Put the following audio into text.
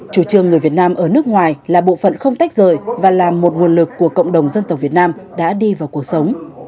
chủ trương người việt nam ở nước ngoài là bộ phận không tách rời và là một nguồn lực của cộng đồng dân tộc việt nam đã đi vào cuộc sống